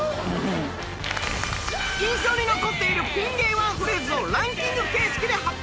印象に残っているピン芸ワンフレーズをランキング形式で発表。